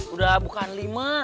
udah bukan lima